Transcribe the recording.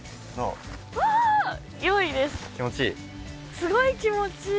すごい気持ちいい！